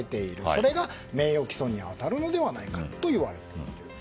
それが名誉棄損に当たるのではないかといわれている。